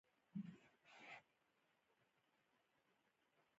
د پلار زحمت د کور عزت رامنځته کوي.